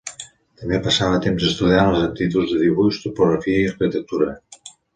També passava temps estudiant les aptituds de dibuix, topografia i arquitectura.